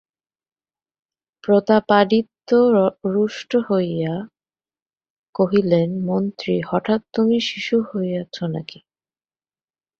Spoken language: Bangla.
প্রতাপাদিত্য রুষ্ট হইয়া কহিলেন, মন্ত্রী, হঠাৎ তুমি শিশু হইয়াছ নাকি?